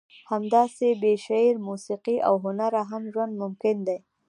همداسې بې شعر، موسیقي او هنره هم ژوند ممکن دی.